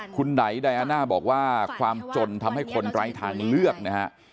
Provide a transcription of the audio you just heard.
คุณไดยไดานะบอกว่าความจนทำให้คนรายฐานเลือกนะฮะ